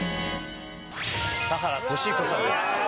田原俊彦さんです。